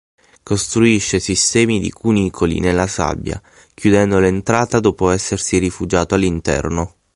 Costruisce sistemi di cunicoli nella sabbia, chiudendo l'entrata dopo essersi rifugiato all'interno.